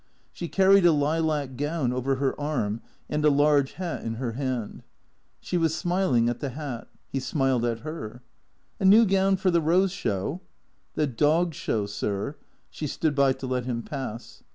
She carried a lilac gown over her arm and a large hat in her hand. She was smiling at the hat. He smiled at her. " A new gown for the Eose Show ?"" The Dog Show, sir." She stood by to let him pass.